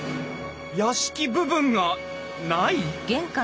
屋敷部分がない！？